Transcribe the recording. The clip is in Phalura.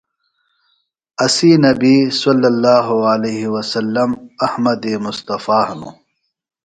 اسی نبیﷺ احمد مصطفٰے ہنوۡ۔